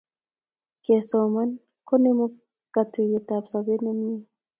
Kesoman konemu kateiywotap sopet nemie